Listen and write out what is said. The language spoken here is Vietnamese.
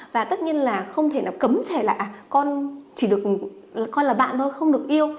và tất nhiên là không thể nào cấm trẻ là à con chỉ được con là bạn thôi không được yêu